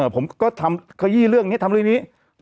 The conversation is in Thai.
ผมก็ทำขยี้เรื่องนี้ทำเรื่องนี้